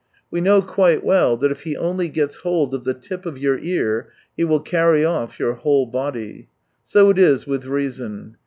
We know quite well that if he only gets hold of the tip of your ear he will carry off your whole body. So it is with Reason.